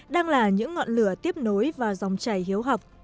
đang là những ngọn lửa tiếp nối vào dòng chảy hiếu học